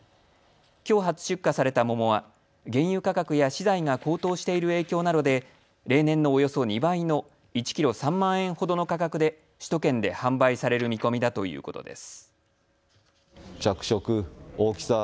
きょう初出荷された桃は原油価格や資材が高騰している影響などで例年のおよそ２倍の１キロ３万円ほどの価格で首都圏で販売される見込みだということです。